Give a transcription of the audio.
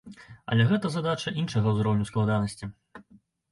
Але гэта задача іншага ўзроўню складанасці.